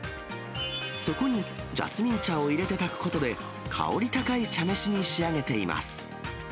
そこにジャスミン茶を入れて炊くことで、香り高い茶飯に仕上げています。